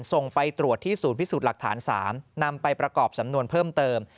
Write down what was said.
ส่งไปตรวจที่ศูนย์พิสูจน์หลักฐาน๓นำไปประกอบสำนวนเพิ่มเติม